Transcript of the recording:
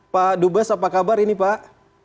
pak dubes apa kabar ini pak